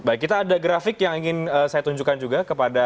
baik kita ada grafik yang ingin saya tunjukkan juga kepada